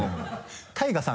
ＴＡＩＧＡさん